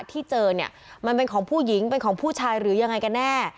ที่เจอเนี่ยมันเป็นของผู้หญิงเป็นของผู้ชายหรือยังไงกันแน่